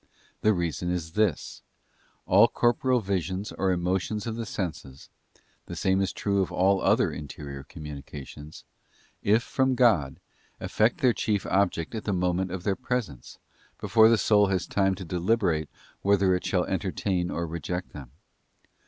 The reason is this: all corporeal visions or emotions of the senses—the same is true of all other interior communications — if from God, effect their chief object at the moment of their presence, before the soul has time to deliberate whether it shall entertain or reject them.